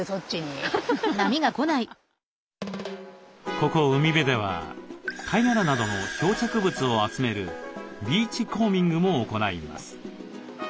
ここ海辺では貝殻などの漂着物を集めるビーチコーミングも行います。